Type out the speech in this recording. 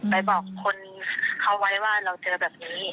ไปบอกคนเขาไว้ว่าเราเจอแบบนี้